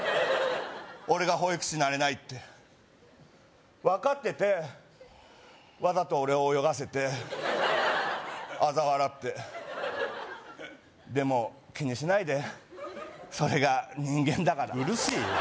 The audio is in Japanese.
俺が保育士になれないって分かっててわざと俺を泳がせてあざ笑ってでも気にしないでそれが人間だからうるせえよ